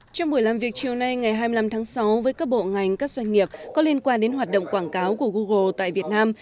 trong buổi làm việc chiều nay ngày hai mươi năm tháng sáu với các bộ ngành các doanh nghiệp có liên quan đến hoạt động quảng cáo của google tại việt nam